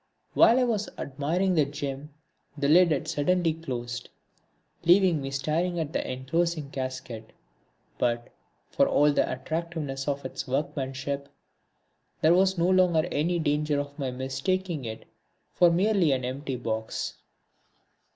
While I was admiring the gem the lid had suddenly closed, leaving me staring at the enclosing casket. But, for all the attractiveness of its workmanship, there was no longer any danger of my mistaking it for merely an empty box.